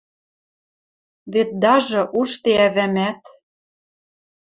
Вет даже ужде ӓвӓмӓт